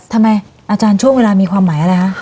อาจารย์ช่วงเวลามีความหมายอะไรคะ